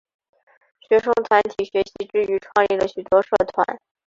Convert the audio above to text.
学生团体学习之余创立了许多社团。